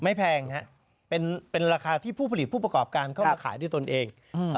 ไม่แพงครับเป็นราคาที่ผู้ผลิตผู้ประกอบการเข้ามาขายที่ตนเอง